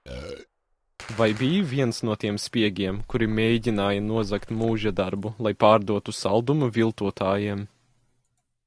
Vai biji viens no tiem spiegiem, kuri mēģināja nozagt mūžadarbu, lai pārdotu saldumu viltotājiem?